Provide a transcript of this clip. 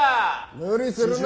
無理するな！